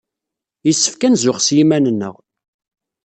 Yessefk ad nzux s yiman-nneɣ.